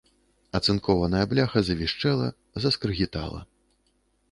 Ацынкованая бляха завішчэла, заскрыгітала.